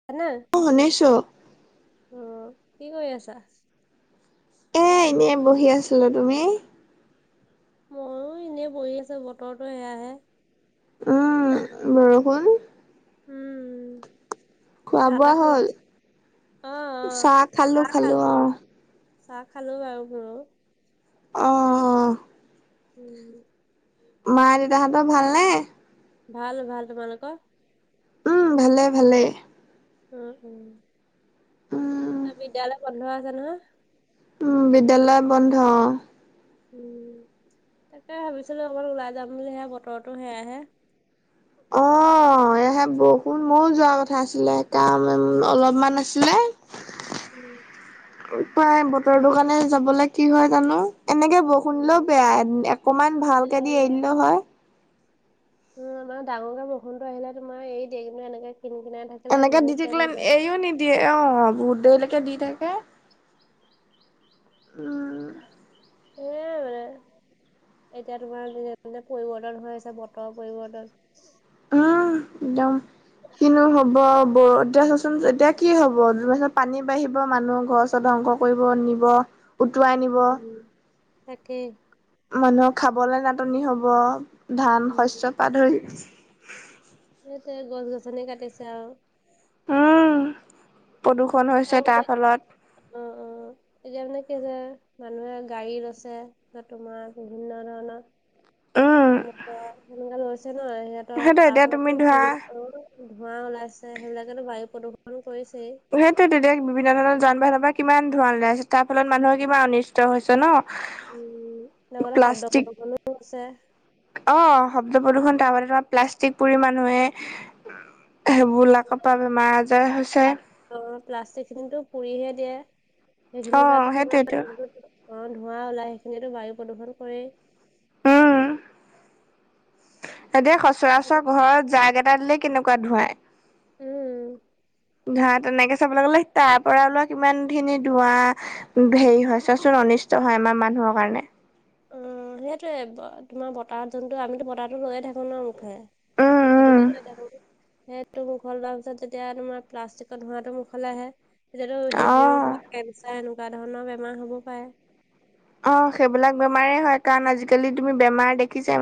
[unintelligible] অ শুনিছো অ কি কৰি আছা এ এনেই বহি আছিলো তুমি মইও এনেই বহি আছো বতৰতো সেয়াহে উম বৰষুণ উম খোৱা চাহ বোৱা তাহ খালা হ'ল অ আহ চাহ খালো চাহ খালোঁ বাৰু মোৰু অঁ উম মা দেউতাহঁতৰ ভালনে ভাল ভাল তোমালোকৰ উম ভালে ভালে অ উম অ বিদ্যালয় বন্ধ আছে নহয় উ বিদ্যালয় বন্ধ উম তাকে ভাবিছিলো অকমান ওলাই যাম বুলিহে য়া বতৰো সেয়াহে অ মহে বহুত ময়ো যোৱা কথা আছিলে কাম অলপমান আছিলে উম প্ৰাই বতৰ টো কাৰানে যাবলে কি হয় জানো এনেকে ব শুনলও উম বেয়া অকমান বেয়া ভালকে দি বেয়া এৰিলে হয় উম আমাৰ ডাঙৰক বৰষুণ আহিলে তোমাৰ এৰি দিয় কিন্তু এনেকে কিন কিনাই থাকে এনেকে দি থাকিলে এইও নিদিয়ে অ বহুত দেৰিলৈকে দি থাকে উম এ মানে এতিয়া তোমাৰ যেনে পৰিৱৰ্তন হৈ আছে বতৰৰ পৰিৱৰ্তন উম একদম কিনো হ'ব বৰ এতিয়া কি হ'বত পানী বাঢ়িব মানুহ ঘৰ চৰ ধ্বংস কৰিব নিব। উটুৱাই নিব উম তাকে। মানুহক খাবলে নাটনি হ'ব ধান উম শস্যপা ধৰি। সেইটো গছ- গছনি কাটিছে আৰু। উম প্ৰদূষণ আৰু হৈছে মানে তাৰ ফলত। অ', অ'। এতিয়া মানে কি যে মানুহে গাড়ীত আছে বা তোমাৰ বিভিন্ন ধৰণৰ উম ত মোক তই সেনেকা লৈছে ন সিহঁতৰ সেইটো তাৰ এতিয়া তুমি ফলতোৰ ধৰা ধোঁৱা ওলাইছে সেইবিলাকেতো বায়ু প্ৰদূষণ কৰিছেই। সেইটোৱেতো দেশ বিভিন্ন ধৰণৰ যান বাহনৰ পৰা কিমান ধোঁৱা ওলাইছে তাৰ ফলত মানুহৰ কিমান অনিষ্ট হৈছে ন উম এনেকুৱা শব্দ প্লাষ্টিক প্ৰদূষণো হৈছে অ শব্দ প্ৰদূষণ তাৰ বাবে তোমাৰ প্লাষ্টিক পুৰি মানুহে অ', সেইবিলাকৰ পৰা বেমাৰ আজাৰ হৈছে প্লা অ', প্লাষ্টিক খিনিতো পুৰিহে দিয়ে সেইখিনিৰ অ', পৰাতো তোমাৰ সেইটোয়েতো অ', ধোঁৱা ওলাই সেইখিনিতো বায়ু প্ৰদূষণ কৰেই। উম। সেইটোৱে সচৰাচৰ ঘৰত জাগ এটা দিলে কেনেকুৱা ধুৱায়। উম ঘা তেনেকে চাবলৈ গ'লে তাৰ পৰা ওলোৱা কিমান খিনি ধোৱা হেৰি হয় চাচোন অনিষ্ট হয় আমাৰ মানুহৰ কাৰণে। অ', সেইটোয়ে তোমাৰ বতাহ যোনটো আমিতো বতাহতো লৈয়ে থাকোঁ ন মুখে। উম, উম, সেইটোকেত লৈ থাকোঁ। সেইটো মুখল লোৱা পিছত যেতিয়া তোমাৰ প্লাষ্টিকৰ ধোঁৱটো মোখল আহে তেতিয়াতো অ'। [unintelligible] কেঞ্চাৰ এনেকুৱা ধৰণৰ বেমাৰ হ'ব পাৰে। অ', সেইবিলাক বেমাৰে হয় কাৰণ আজিকালি তুমি বেমাৰ দেখিছাই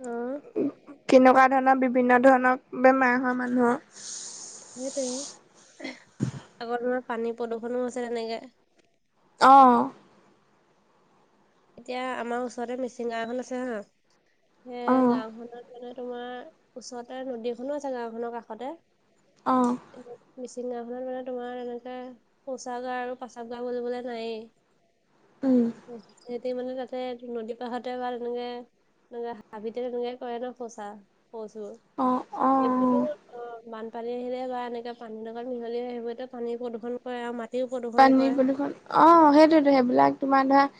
অ কেনেকুৱা ধৰণৰ বিভিন্ন ধৰণৰ বেমাৰ হোৱা মানুহৰ। সেইটোয়ে আগৰ তোমাৰ পানী প্ৰদূষণো আছে তেনেকে। অ'। এতিয়া আমাৰ ওচৰতে মিচিং গাঁওখন আছে হা সেই অ', গাঁওখন পিনে মানে তোমাৰ ওচৰতে নদী এখনো আছে গাঁওখনৰ কাষতে অ'। মিচিং গাওঁ খনত মানে তোমাৰ এনেকে শৌচাগাৰ আৰু প্ৰস্ৰাৱগাৰ বুলিবলে নায়েই। উম। সিহঁতি মানে তাতে নদী পাহতে বা তেনেকে তে হাবিতে তেনেকাই কৰে ন সচা শচোৰ অ', সেইবোৰতো অ', অ', মানু পানী আহিলে বা এনেকে পানীৰ লগত মিহলি হৈ আহিবত পানী প্ৰদূষণ এয়া মাটি প পানী প্ৰদূষণ অ', সেইটোৱেতো সেইবিলাক তোমাৰ ধৰা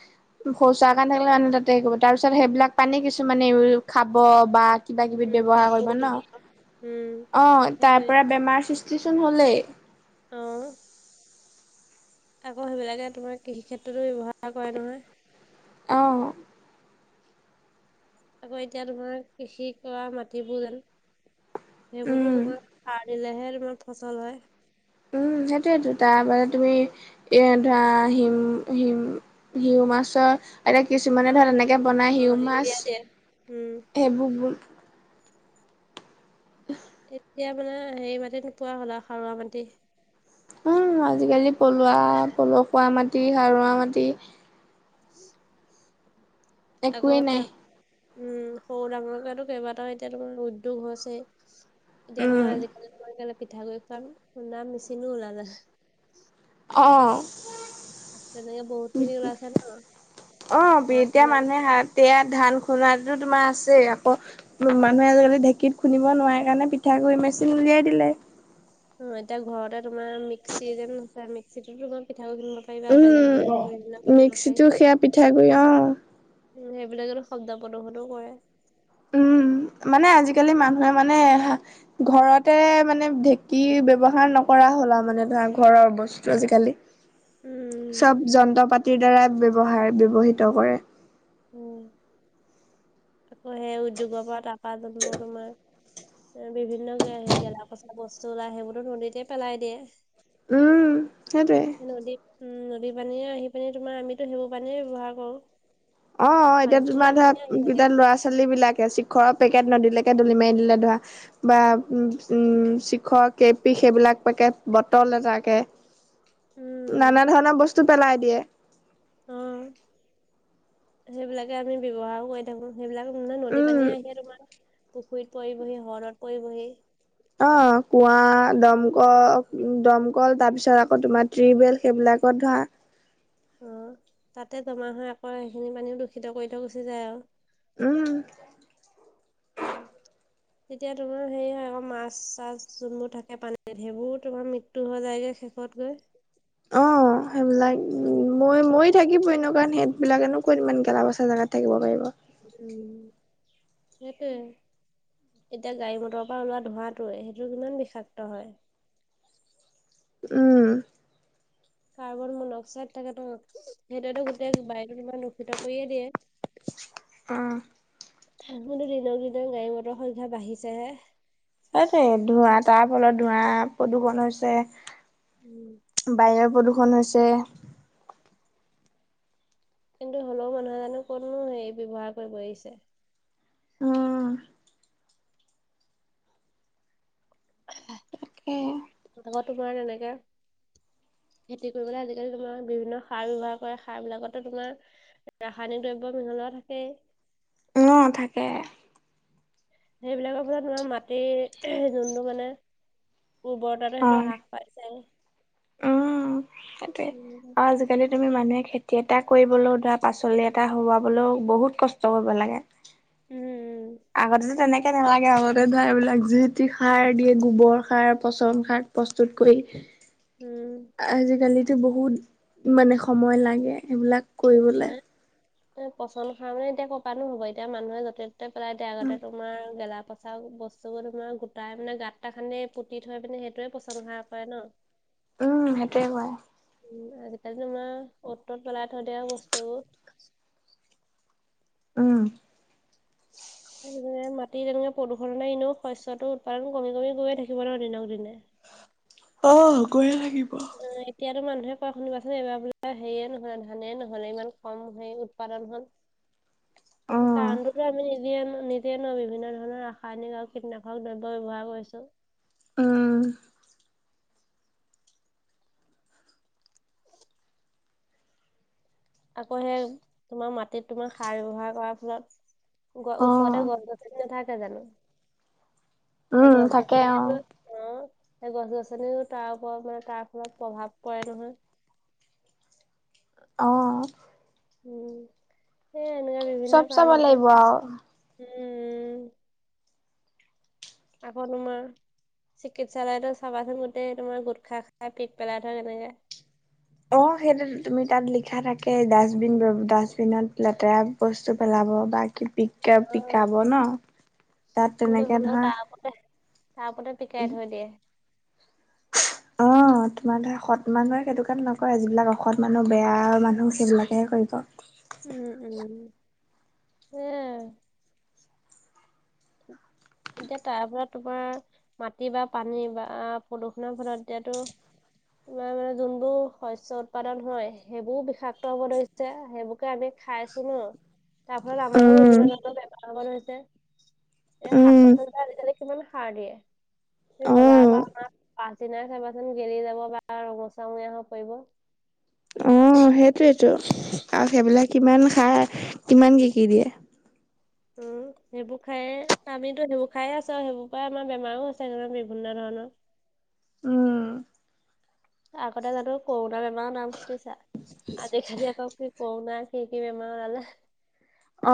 শৌচাগ কাণ থাকিলে মানে তাতে কৰোঁ তাৰ পিছত সেইবিলাক পানী কিছুমানে খাব বা কিবা কিবিত উম ব্য্ঊৱহাৰ কাপোৰ কৰিব ন ধোৱা। উম অ তাৰ সেইটোৱে পৰা বেমাৰ সৃষ্টিচোন হ'লেই। অ'। আকৌ সেইবিলাকে তোমাৰ কৃষি ক্ষেত্ৰতো ব্যৱহাৰ কৰে নহয়। অ'। আকৌ এতিয়া তোমাৰ কৃষি কৰা মাটিবোৰ যেন সেইবোৰতো উম। তোমাৰ স দিলেহে তোমাৰ ফচল হয়। উম সেইটোয়েতো তাৰপা তুমি। এ ধৰা হিম হিম হিউ মাছৰ এতিয়া কিছুমানে অ ধৰ এনেকে সেইটো বনায় অ সিউ মাছ ইউৰিয়া দিয়ে উম সেইবোৰ উকহ্। এতিয়া মানে হেৰি মাটি নোপোৱা হ'ল আৰু খাৰুৱা মাটি। ওঁ, আজিকালি পলুৱা পলসুৱা মাটি, সাৰুৱা মাটি হুম একোৱেই নাই আগতকে উম, সৰু ডাঙৰকেটো কেইবাটাও এতিয়া তোমাৰ উদ্যোগ হৈছেই। এতিয়া উম, তোমাৰ আজিকালি তোমাৰ কেলে পিঠাগুৰি খুৱাম খুন্দা মেচিনো ওলালে। অঁ। তেনেকে বহুত খিনি ওলাইছে ন অঁ, পি ধান এতিয়া খুন্দা মানুহে মেচিন হাত্ এতিয়া ধান খুন্দোৱাটোতো তোমাৰ আছেই আকৌ ম অ মানুহে আজিকালি ঢেঁকীত খুন্দিব নোৱাৰে কাৰণে পিঠাগুড়ি মেচিন উলিয়াই দিলে। উম, এতিয়া ঘৰতে তোমাৰ মিক্সিগ্ৰেণ্ড আছে। মিক্সিটোতো তোমাৰ পিঠা গুৰি খুন্দিব পাৰিবা। বেলেগ উম, বেলেগ বিলাক কৰিব পাৰি। মিক্সিটো সেয়া পিঠাগুৰি অ'। উম, সেইবিলাকেটো শব্দ প্ৰদুৰ্ষনো কৰে। উম মানে আজিকালি মানুহে মানে ঘৰতে মানে ঢেঁকী ব্যৱহাৰ নকৰা হ'ল আৰু মানে ধৰা ঘৰৰ বস্তু আজিকালি। উম চব যন্ত্ৰ-পাতিৰ দ্বাৰা ব্যৱহাৰ ব্যৱহৃত কৰে। উম। তাকো হে উদ্যোগৰ পৰা টকা জলিবও তোমাৰ। বিভিন্ন গে--গেলা পচা বস্তু ওলাই সেইবোৰটো নদীতে পেলাই দিয়ে। উম, সেইটোৱে। নদীত উম, নদী পানীয়ে আহিপিনি তোমাৰ আমিটো সেইবোৰ পানীয়ে ব্যৱহাৰ কৰোঁ। অঁ, অঁ এতিয়া তোমাৰ ধৰা থাকে এতিয়া ল'ৰা-ছোৱালীবিলাকে শিখৰত পেকেট নদীলেকে দলি মাৰি দিলে ধৰা বা উম, উম চিখৰ, কে পি সেইবিলাক পেকেট। বটল এটাকে উম নানা ধৰণৰ বস্তু পেলাই দিয়ে। অ সেইবিলাকে আমি ব্যৱহাৰো কৰি থাকো। সেইবিলাকো মানে নদী উম পানীয়ে আহিয়ে তোমাৰ পুখুৰীত পৰিবহি, হ্ৰদ পৰিবহি। অঁ কুঁৱা, দমক দম কল তাৰপিছত আকৌ তোমাৰ ট্ৰিবেল সেইবিলাকত ধৰা অঁ, তাতে জমা হয় আকৌ সেইখিনি পানীও দূষিত কৰি থৈ গুচি যায় আৰু। উম। উম। তেতিয়া তোমাৰ হেৰি হয় আক' মাছ-চাছ যোনবোৰ থাকে পানীত সেইবোৰো তোমাৰ মৃত্ মেত্যু হৈ যায়কে শেষত গৈ। অঁ। সেইবিলাক মৰি মৰি থাকিবই ন '? কাৰণ সেইবিলাকেনো ক'ত ইমান গেলা-পচা জেগাত থাকিব পাৰিব। উম, সেইটোৱে। এতিয়া গাড়ী মটৰৰ পৰা ওলোৱা ধোঁৱাতোৱে সেইটো কিমান বিষাক্ত হয়। উম। কাৰ্বন-মন-অক্সাইড থাকে ত' সেইটোৱেটো গোটেই বায়ুটো তোমাৰ দূষিত কৰিয়ে দিয়ে। অঁ। হেঁহ্ কিন্তু দিনক দিনে গাড়ী মটৰ সংখ্যা বাঢ়িছেহে। সেইটোৱে ধোঁৱা- তাৰফলত ধোঁৱা, প্ৰদূষন হৈছে উম। বায়ু প্ৰদূৰ্ষন হৈছে। কিন্তু হ'লেও মানুহে জানো ক'তনো হেৰি ব্যৱহাৰ কৰিব এৰিছে। উম, উ [unintelligible] উ। আকৌ তোমাৰ তেনেকে খেতি কৰিবলৈ আজিকালি তোমাৰ বিভিন্ন ধৰণৰ সাৰ ব্যয়ৱহাৰ কৰে সাৰ বিলাকতো তোমাৰ ৰাসায়নিক দ্ৰব্য মিহলোৱা থাকে। অ', থাকে। সেইবিলাকৰ ফলত তোমাৰ মাটি যোনটো মানে উৰ্বৰতাতো সেইটো অ', হ্ৰাস পাইছে। উম, সেইটোৱে। উম। আৰু আজিকালি তুমি মানুহে খেতি এটা কৰিবলৈও ধৰা পাচলি এটা হোৱাবলৈও বহুত কষ্ট কৰিব লাগে। উম। আগতেতো তেনেকে নালাগে আগতে ধৰা এইবিলাক যি টি সাৰ দিয়ে গোবৰ সাৰ, পচন সাৰ প্ৰস্তুত কৰি উম। আজিকালিতো বহুত মানে সময় লাগে সেইবিলাক পচন সাৰ মানে এতিয়া কৰ পা নো হ'ব এতিয়া মানুহে য'তে ত'তে পেলাই এ আগতে তোমাৰ গেলা পচাৰ বস্তু বোৰ তোমাৰ গোটাই মানে গাঁ এটা খানে পুতি থৈ মানে সেইটোয়ে পচনসাৰ কৰে ন। উম সেইটোৱে কয়। উ আজি কালি তোমাৰ অ'ত ত'ত পেলাই থৈ দিয়া বস্তুবোৰ উম। স মাটি তেনেকে প্ৰদূষণে এনেও শস্যটো উৎপাদন কমি কমি গৈয়ে থাকিব ন দিনক দিনে অ', গৈয়ে থাকিম। অ', এতিয়াতো মানুহে কয় শুনিবাচোন এইবাৰ বোলে হেৰিয়ে নহ'লে ধানে নহ'লে ইমান কম হে উপাদন হল অ', কাৰণ তো আমি নি নিতিয় ন বিভিন্ন ধৰণৰ ৰাসায়নিক আৰু কীটনাশক দ্ৰব্য ব্যৱহাৰ কৰিছোঁ। উম। আকৌ সেই তোমাৰ মাটিত তোমাৰ সাৰ ব্যৱহাৰ কৰাৰ পিছত গ ওচৰতে অ'। গছ-গছনি নাথাকে জানো সেই উম গছ থাকে গছনিয়ে অ তো অ', সেই গছ-গছনিও তাৰ ওপৰত মানে তাৰ ফলত প্ৰভাৱ পৰে নহয়। অ'। এই এনেকুৱা বিভিন্ন চব চাব কাৰণ আছে লাগিব আও উম উ। আকৌ তোমাৰ চিকিৎসালয়তো চাবাচোন গোটেই তোমাৰ গোটখা খাই পিক পেলাই থয় কেনেকৈ। অ', সেইটো তুমি তাত লিখা থাকে ডাষ্টবিন ডাষ্টবিনত লেতেৰা বস্তু পেলাব বা কে পি অ', তাত কিন্তু তেনেকে হ'লেও [unintelligible] ধৰা তাৰ ওপৰতে পিকাই থৈ দিয়ে। অ'। তোমাৰ ধৰা সৎ মানুহে সেইটো কাম নকৰে যিবিলাক অসৎ মানুহ বেয়া মানুহ সেইবিলাকেহে কৰিব। উম, উম হে। এতিয়া তাৰ পৰা তোমাৰ মাটি বা পানী বা প্ৰদূষণৰ ফলত দিয়াতো তোমাৰ মানে যোনবোৰ শস্য উৎপাদন হয় সেইবোৰ বিষাক্ত হ'ব ধৰিছে। সেইবোৰকে আমি খাইছোঁ ন তাৰ ফলত আমাৰো উম বিভিন্ন ধৰণৰ বেমাৰ হবলৈ হৈছে। এই শাক উম পাচলিত আজিকালি কিমান সাৰ দিয়ে। অ বজাৰৰ পৰা অনা পাছদিনাই চাবাচোন গেলি যাব বা ৰঙচা মুৰীয়া হৈ পৰিব। অঁ সেইটোৱেটো আৰু সেইবিলাক কিমান সাৰ কিমান কি কি দিয়ে। উম। সেইবোৰ খায় আমিতো সেইবোৰ খায় আছো আও সেইবোৰ পৰা আমাৰ বেমাৰো হৈছে বিভিন্ন ধৰণৰ। উম। আগতে জানো কৰোণা বেমাৰৰ নাম শুনিছা? আজিকালি আকৌ কি কৰোণা কি কি বেমাৰ ওলালে।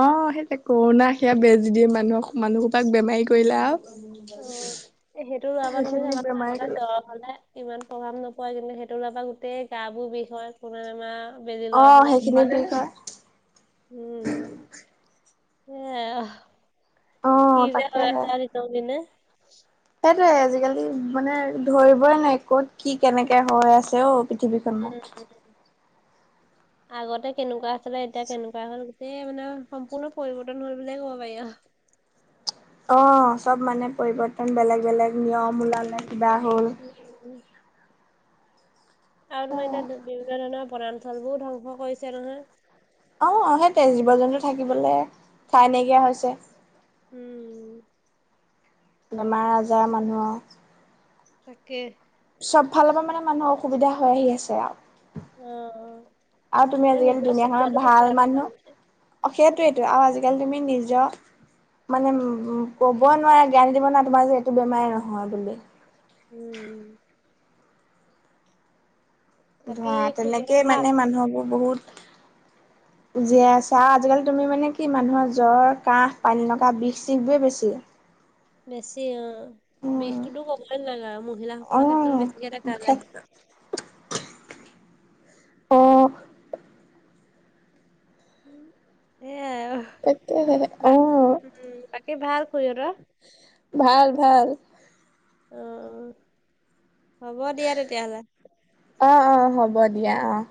অ সেইযে কৰোণা সেয়া বেজি দিয়ে মানুহক মানুহসোপাক বেমাৰী কৰিলে আও। অ এ সেইটো ৰবা তুমি সেইখিনি চাবাচোন বেমাৰে আগতে কৰিলে জৰ হলে ইমান প্ৰভাৱ নপৰে কিন্তু সেইটো হোৱাৰ পৰা গোটেই গা বোৰ বিষ হয়, কোৰোণা বেমাৰ বেজি লৱাৰ অ' ফলত সেইখিনি কি কয় উম। এইয়া কি অ' যে হৈ তাকেহে। আছে আও দিনক দিনে। সেইটোৱে আজিকালি মানে ধৰিবই নোৱাৰি কত কি কেনেকে হৈ আছে ঔ। উম উম। [inaudible] আগতে কেনেকুৱা আছিলে এতিয়া কেনেকুৱা হল, গোটেই মানে সম্পূৰ্ণ পৰিৱৰ্তন হল বুলিয়ে ক'ব পাৰি আও। অ চব মানে পৰিৱৰ্তন বেলেগ বেলেগ নিয়ম ওলালে কিবা হ'ল। উম উম্ উম্। আৰু তোমাৰ এতিয়া বিভিন্ন ধৰণৰ বণঞ্চল বোৰ ধ্বংস কৰিছে নহয়। অ আহ সেইটোৱে জীৱ জন্তু থাকিবলে ঠাই নাইকিয়া হৈছে। উম। বেমাৰ আজাৰ মানুহৰ তাকে। চব ফালৰ পৰা মানে মানুহৰ অসুবিধা হৈ আহি আছে আও। উম উম্। আৰু তুমি আজিকালি দুুনীয়াখনত ভাল আকৌ মানুহ মানুহে। অ সেইটোৱেইটো আৰু আজিকালি তুমি নিজৰ মানে উম ক'বই নোৱাৰে জ্ঞান দিব নোৱা তোমাৰ যে এইটো বেমাৰ নহয় বুলি। উম উম্। বাকী ধৰা তেনেকে খুৰীহঁতৰ ভাল? মানে মানুহবোৰ বহুত জীয়াই আছে আও আজিকালি তুমি মানে কি মানুহৰ জ্বৰ, কাহ, পানীলগা, বিষ চিষ বোৱে বেছি। বেছি অঁ, উম, বিষটোতো ক'বই নালাগে আও মহিলাসকলৰ ক্ষেত্ৰত বেছিকে অ', দেখা খেত যায়। অঁ। উম সেয়াই আও। তাকেহে অঁ। উম বাকী ভাল খুৰী হঁতৰ? ভাল ভাল। অ অ হ'ব দিয়া তেতিয়াহলে। অঁ অঁ হ'ব দিয়া অঁ।